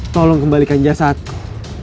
tolong kembalikan jasadku